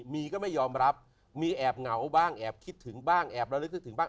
มีก็ไม่ยอมรับมีแอบเหงาบ้างแอบคิดถึงบ้างแอบระลึกนึกถึงบ้าง